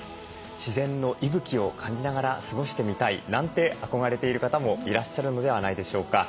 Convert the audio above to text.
自然の息吹を感じながら過ごしてみたいなんて憧れている方もいらっしゃるのではないでしょうか。